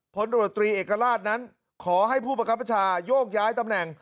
ผลตรวจตรีเอกราชนั้นขอให้ผู้ประคับประชาโยกย้ายตำแหน่ง